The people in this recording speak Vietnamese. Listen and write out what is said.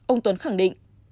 ông tuấn khẳng định